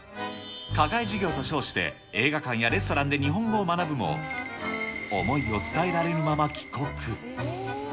課外授業と称して、映画館やレストランで日本語を学ぶも、思いを伝えられぬまま帰国。